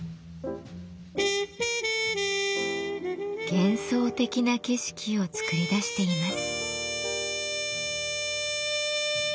幻想的な景色を作り出しています。